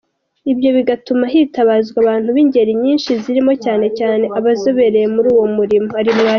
Ibyo bigatuma hitabazwa abantu b’ingeri nyinshi zirimo cyane cyane abazobereye muri uwo murimo.